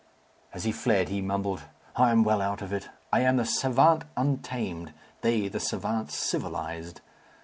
As he fled he mumbled, "I am well out of it. I am the savant untamed; they the savants civilized.